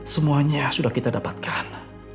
semuanya sudah kita dapatkan